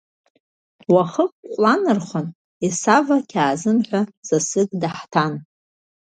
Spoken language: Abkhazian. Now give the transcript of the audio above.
Уахык Ҟәланырхәантә Есава Қьаазым ҳәа сасык даҳҭан.